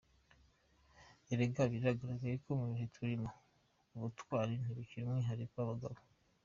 Erega biragaragaye ko mu bihe turimo, ubutwari ntibikiri umwihariko w’abagabo.